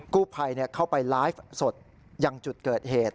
กู้ภัยเข้าไปไลฟ์สดยังจุดเกิดเหตุ